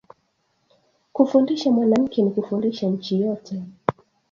Kufundisha mwanamuke ni kufundisha inchi yote